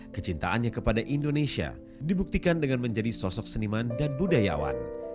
kecintaannya kepada indonesia dibuktikan dengan menjadi sosok seniman dan budayawan